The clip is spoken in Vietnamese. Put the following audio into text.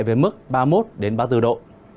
về mức ba mươi một ba mươi bốn độ